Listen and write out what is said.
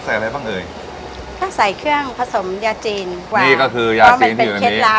ใส่เครื่องผสมยาจีน